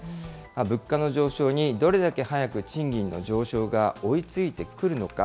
物価の上昇に、どれだけ早く賃金の上昇が追いついてくるのか。